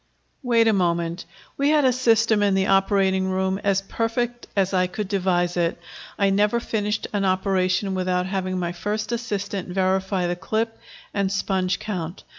"Wait a moment. We had a system in the operating room as perfect as I could devise it. I never finished an operation without having my first assistant verify the clip and sponge count.